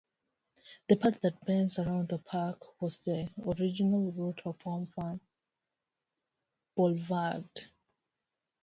The part that bends around the park was the original route of Hoffman Boulevard.